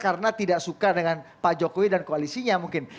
karena tidak suka dengan pak jokowi dan koalisinya mungkin